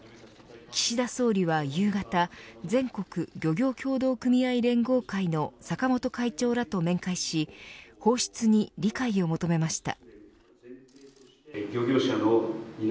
岸田総理は夕方全国漁業協同組合連合会の坂本会長らと面会し放出に理解を求めました。